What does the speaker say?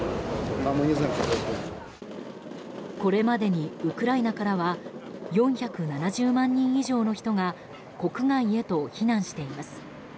これまでに、ウクライナからは４７０万人以上の人が国外へと避難しています。